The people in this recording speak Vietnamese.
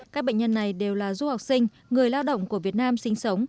các bệnh nhân này đều là du học sinh người lao động của việt nam sinh sống